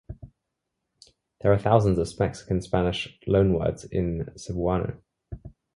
There are thousands of Mexican Spanish loanwords in Cebuano.